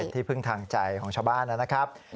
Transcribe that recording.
ที่พึ่งทางใจของชาวบ้านนะครับ